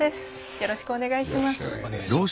よろしくお願いします。